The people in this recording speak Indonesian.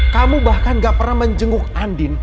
kamu bahkan gak pernah menjenguk andin